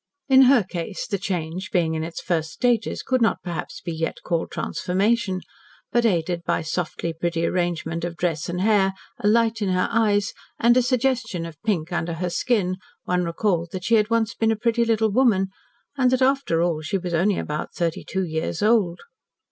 In her case the change, being in its first stages, could not perhaps be yet called transformation, but, aided by softly pretty arrangement of dress and hair, a light in her eyes, and a suggestion of pink under her skin, one recalled that she had once been a pretty little woman, and that after all she was only about thirty two years old.